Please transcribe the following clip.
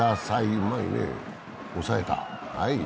うまいね、抑えた。